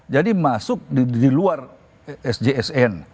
jadi masuk di luar sjsn